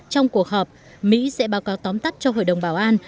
trong cuộc họp mỹ sẽ báo cáo tóm tắt cho hội đồng bảo an